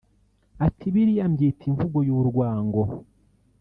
Ati” Biriya mbyita imvugo y’urwango